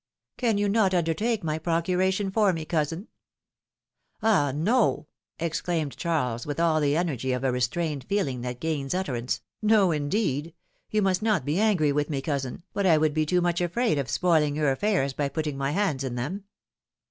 Can you not undertake my procuration for me, cousin ?"! no !" exclaimed Charles, with all the energy of a restrained feeling that gains utterance. No, indeed! You philom^ine's marriages. 145 must not be angry with me, cousin, but I would be too much afraid of spoiling your affairs by putting my hands in them.